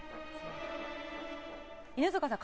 犬塚さん。